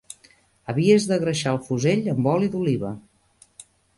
Havies de greixar el fusell amb oli d'oliva